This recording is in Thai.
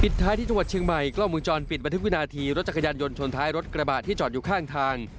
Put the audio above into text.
ท้ายที่จังหวัดเชียงใหม่กล้องมือจรปิดบันทึกวินาทีรถจักรยานยนต์ชนท้ายรถกระบะที่จอดอยู่ข้างทาง